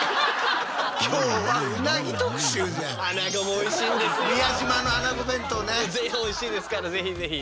おいしいですからぜひぜひ。